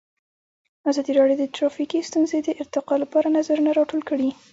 ازادي راډیو د ټرافیکي ستونزې د ارتقا لپاره نظرونه راټول کړي.